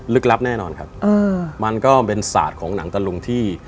ลับแน่นอนครับมันก็เป็นศาสตร์ของหนังตะลุงที่